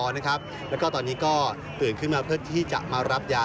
แล้วก็ตอนนี้ก็ตื่นขึ้นมาเพื่อที่จะมารับยา